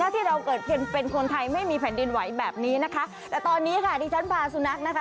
ที่เราเกิดเพียงเป็นคนไทยไม่มีแผ่นดินไหวแบบนี้นะคะแต่ตอนนี้ค่ะที่ฉันพาสุนัขนะคะ